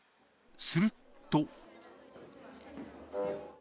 すると。